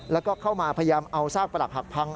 แล้วก็เข้ามาพยายามเอาซากปรักหักพัง